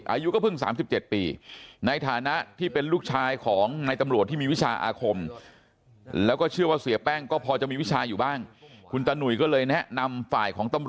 อายุก็เพิ่ง๓๗ปีในฐานะที่เป็นลูกชายของในตำรวจที่มีวิชาอาคม